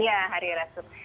iya harira sup